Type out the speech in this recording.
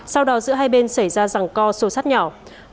sau đó giữa hai bên xảy ra rằng co sổ sắt nhỏ